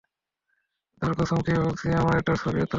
খোদার কসম খেয়ে বলছি, আমরা এটার ছবিও তুলেছি!